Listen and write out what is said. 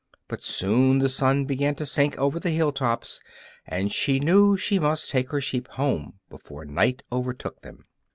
But soon the sun began to sink over the hill tops, and she knew she must take her sheep home before night overtook them.